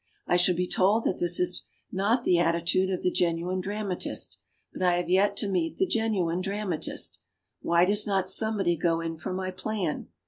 I shall be told that this is not the attitude of the genuine dramatist; but I have yet to meet the genuine dramatist. Why does not somebody go in for my plan?